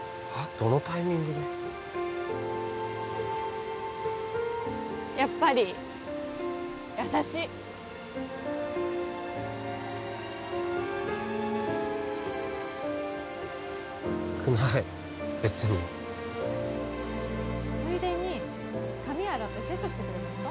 どのタイミングでやっぱり優しいくない別についでに髪洗ってセットしてくれますか？